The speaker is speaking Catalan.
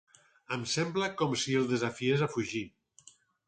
Em va semblar com si el desafiés a fugir.